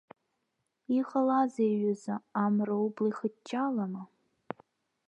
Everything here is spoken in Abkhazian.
Иҟалеи аҩыза, амра убла ихыҷҷалама?